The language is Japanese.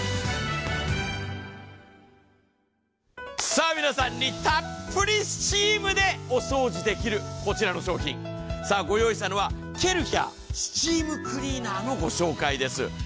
さあ皆さんにたっぷりスチームでお掃除できるこちらの商品、ご用意したのはケルヒャースチームクリーナーのご紹介です。